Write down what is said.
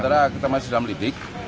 sementara kita masih dalam lidik